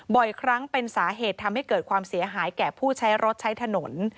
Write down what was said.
บ่อยครั้งเป็นสาเหตุทำให้เกิดความเสียหายแก่ผู้ใช้รถใช้ถนน